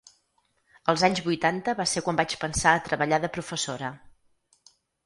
Als anys vuitanta va ser quan vaig pensar a treballar de professora.